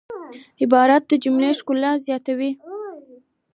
عبارت د جملې ښکلا زیاتوي.